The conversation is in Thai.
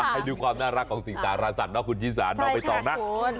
ให้ดูความน่ารักของสินค้าราชาติคุณชิสานอกไปต่อนะ